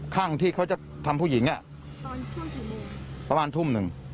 ข้างที่เขาจะทำผู้หญิงประมาณทุ่มหนึ่ง